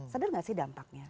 sadar gak sih dampaknya